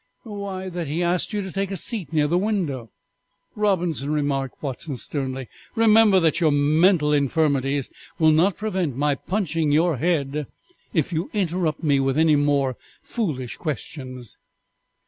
"Why, that he asked you to take a seat near the window." "Robinson," remarked Watson sternly, "remember that your mental infirmities will not prevent my punching your head if you interrupt me with any more foolish questions."